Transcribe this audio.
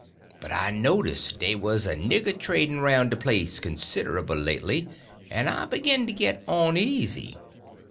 But I noticed dey wuz a nigger trader roun' de place considable lately, en I begin to git oneasy.